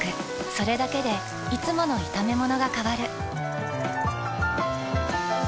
それだけでいつもの炒めものが変わる。